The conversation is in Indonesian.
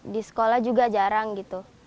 di sekolah juga jarang gitu